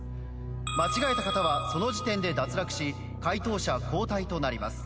間違えた方はその時点で脱落し解答者交代となります。